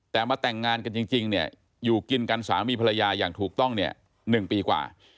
แต่มาแต่งงานกันจริงเนี่ยอยู่กินกันสามีภรรยาอย่างถูกต้องเนี่ย๑ปีกว่า